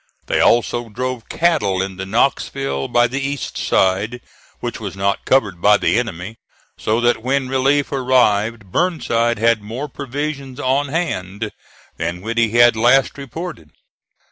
They also drove cattle into Knoxville by the east side, which was not covered by the enemy; so that when relief arrived Burnside had more provisions on hand than when he had last reported.